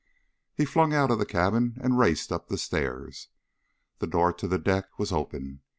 He flung out of the cabin and raced up the stairs. The door to the deck was open.